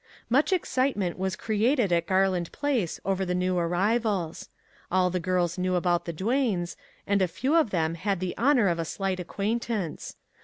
Much excitement was created at Garland Place over the new arrivals. All the girls knew about the Duanes, and a few of them had the honor of a slight acquaintance.